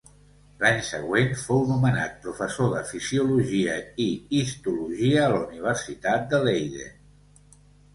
L'any següent fou nomenat professor de fisiologia i histologia a la Universitat de Leiden.